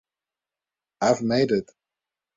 I've made it.